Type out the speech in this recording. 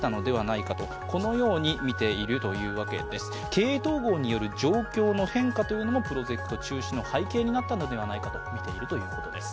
経営統合による状況の変化というのもプロジェクト中止の背景になったのではないかとみているということ手す。